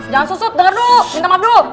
jangan susut dengar dulu minta maaf dulu